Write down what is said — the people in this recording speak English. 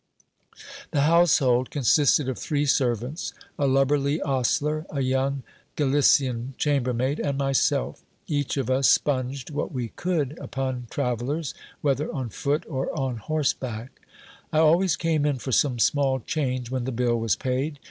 The household consisted of three servants : a lubberly ostler, a young Gali cian chambermaid, and myself. Each of us spunged what we could upon tra vellers, whether on foot or on horseback. I always came in for some small change, when the bill was paid.